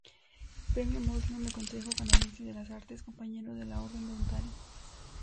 Premio Molson del Consejo canadiense de las Artes, Compañero de la Orden de Ontario.